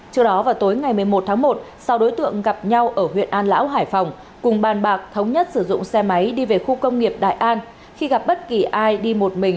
trước đó vào tối ngày một mươi một tháng một sau đối tượng gặp nhau ở huyện an lão hải phòng cùng bàn bạc thống nhất sử dụng xe máy đi về khu công nghiệp đại an